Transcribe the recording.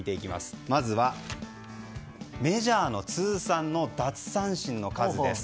まずはメジャーの通算の奪三振の数です。